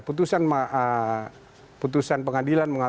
putusan pengadilan mengatakan